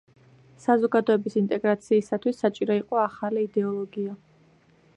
საზოგადოების ინტეგრაციისათვის საჭირო იყო ახალი იდეოლოგია.